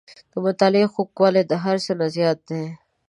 • د مطالعې خوږوالی د هر څه نه زیات دی.